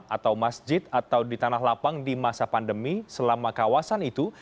atau masjid atau di tanah lapang di masa pandemi selama kawasan itu